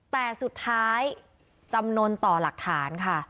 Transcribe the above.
แต่สุดท้ายจำนวนต่อหลักฐานค่ะ